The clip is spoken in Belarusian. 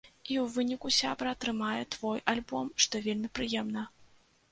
І ў выніку сябра атрымае твой альбом, што вельмі прыемна.